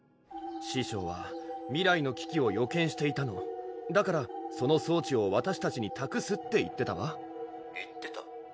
師匠は未来の危機を予見していたのだからその装置をわたしたちにたくすって言ってたわ「言ってた？」